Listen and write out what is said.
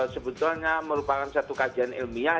sebetulnya merupakan satu kajian ilmiah